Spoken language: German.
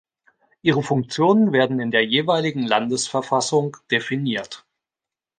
Ihre Funktionen werden in der jeweiligen Landesverfassung definiert.